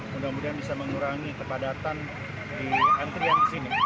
mudah mudahan bisa mengurangi kepadatan di angkutan